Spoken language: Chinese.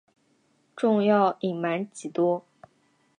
仲要隐瞒几多？